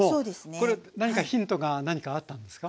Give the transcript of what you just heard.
これ何かヒントがあったんですか？